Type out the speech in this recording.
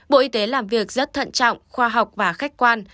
bộ y tế làm việc rất thận trọng khoa học và khách quan